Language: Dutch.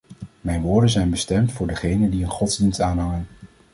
Mijn woorden zijn bestemd voor degenen die een godsdienst aanhangen.